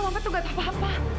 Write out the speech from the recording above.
mama tuh nggak tahu apa apa